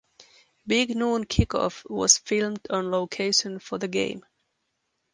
Big Noon Kickoff was filmed on location for the game.